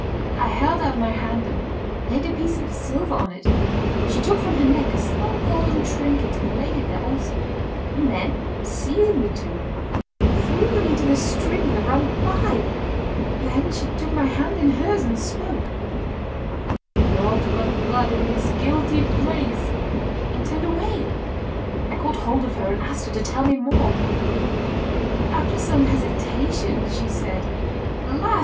I held out my hand and laid a piece of silver on it. She took from her neck a small golden trinket and laid it there also; and then, seizing the two, threw them into the stream that ran by. Then she took my hand in hers and spoke: 'Naught but blood in this guilty place,' and turned away. I caught hold of her and asked her to tell me more. After some hesitation, she said: 'Alas!